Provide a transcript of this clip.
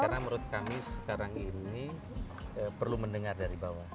karena menurut kami sekarang ini perlu mendengar dari bawah